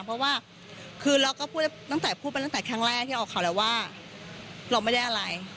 เพราะว่าคือเราก็พูดตั้งแต่พูดไปตั้งแต่ครั้งแรกที่ออกข่าวแล้วว่าเราไม่ได้อะไร